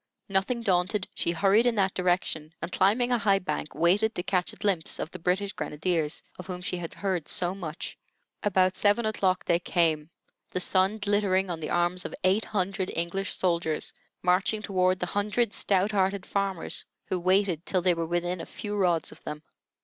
Nothing daunted, she hurried in that direction and, climbing a high bank, waited to catch a glimpse of the British grenadiers, of whom she had heard so much. About seven o'clock they came, the sun glittering on the arms of eight hundred English soldiers marching toward the hundred stout hearted farmers, who waited till they were within a few rods of them.